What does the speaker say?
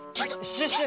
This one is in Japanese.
シュッシュ。